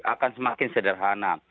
akan semakin sederhana